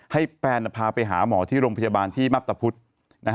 ให้แฟนพาไปหาหมอที่โรงพยาบาลที่มับตะพุธ